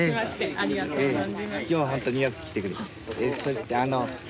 ありがとうございます。